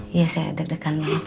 iya saya deg degan